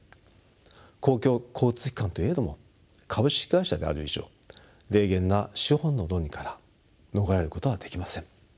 公共交通機関といえども株式会社である以上冷厳な資本の論理から逃れることはできません。